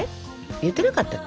言ってなかったっけ？